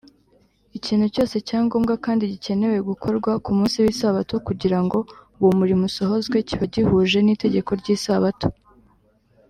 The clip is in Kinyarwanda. ikintu cyose cya ngombwa kandi gikenewe gukorwa ku munsi w’isabato kugira ngo uwo murimo usohozwe kiba gihuje n’itegeko ry’isabato